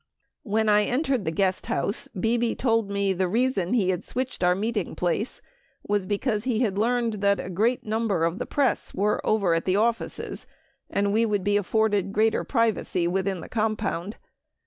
When I entered the guest house, Bebe told me the reason he had switched our meetingplace was because he had learned that a great, number of the press were over at the offices, and we. would be afforded greater privacy within the compound.